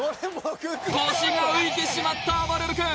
腰が浮いてしまったあばれる君